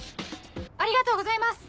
ありがとうございます！